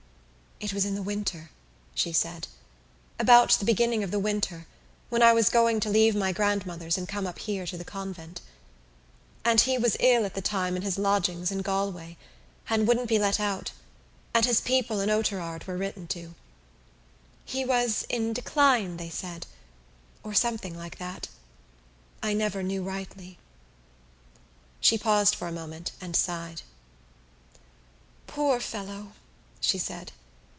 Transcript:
"It was in the winter," she said, "about the beginning of the winter when I was going to leave my grandmother's and come up here to the convent. And he was ill at the time in his lodgings in Galway and wouldn't be let out and his people in Oughterard were written to. He was in decline, they said, or something like that. I never knew rightly." She paused for a moment and sighed. "Poor fellow," she said.